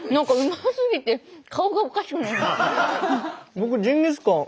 僕ジンギスカン